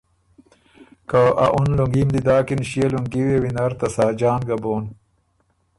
که ا اُن لونګي م دی داکِن ݭيې لُونګي وی وینر ته ساجان ګه بون